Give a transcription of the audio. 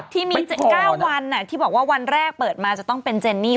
ที่มี๙วันที่บอกว่าวันแรกเปิดมาจะต้องเป็นเจนนี่